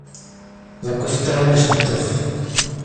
Za kostelem je hřbitov.